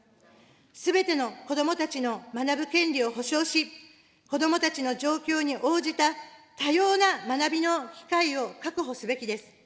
すべての子どもたちの学ぶ権利を保障し、子どもたちの状況に応じた多様な学びの機会を確保すべきです。